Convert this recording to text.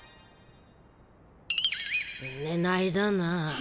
ねないだな。